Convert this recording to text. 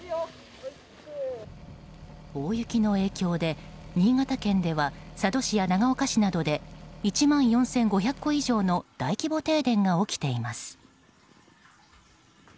大雪の影響で新潟県では佐渡市や長岡市などで１万４５００戸以上の大規模停電が起きています。